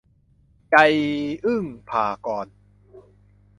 ใจ อึ๊งภากรณ์